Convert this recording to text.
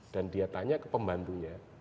dan dia tanya ke pembantunya